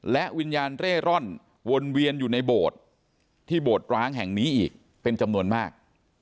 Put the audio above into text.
และวิญญาณเร่ร่อนวนเวียนอยู่ในโบสถ์ที่โบสตร้างแห่งนี้อีกเป็นจำนวนมาก